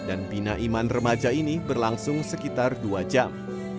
dan bina iman remaja ini berlangsung sekitar dua jam